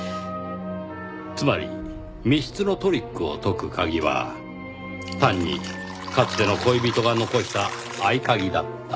つまり密室のトリックを解く鍵は単にかつての恋人が残した合鍵だった。